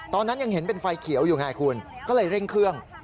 ตอนนั้นยังเห็นเป็นไฟเขียวอยู่ไงคุณก็เลยเร่งเครื่อง